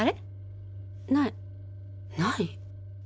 ないない？